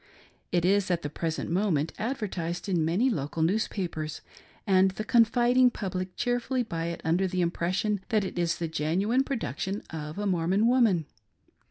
It is at the present moment advertised in many local newspapers, and the confiding public cheerfully buy it under the impres sion that it is the genuine production of a Mormon woman.